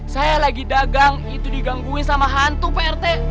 saya lagi dagang itu digangguin sama hantu pak rt